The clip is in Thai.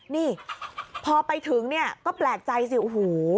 นี่พอไปถึงเนี่ยก็แปลกใจสิโอ้โห